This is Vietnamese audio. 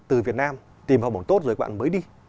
từ việt nam tìm học bổng tốt rồi các bạn mới đi